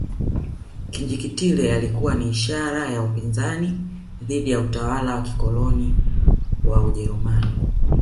Kinjekitile alikuwa ni ishara ya upinzani dhidi ya utawala wa kikoloni wa ujerumani